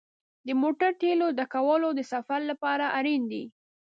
د موټر تیلو ډکول د سفر لپاره اړین دي.